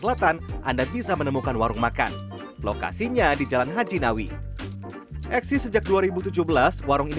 selatan anda bisa menemukan warung makan lokasinya di jalan haji nawi eksis sejak dua ribu tujuh belas warung ini